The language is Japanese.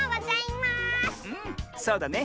そうだね。